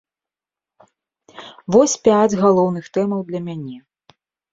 Вось пяць галоўных тэмаў для мяне.